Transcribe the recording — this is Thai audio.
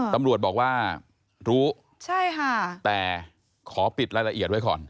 ตำรวจบอกว่ารู้ใช่ค่ะแต่ขอปิดรายละเอียดไว้ก่อน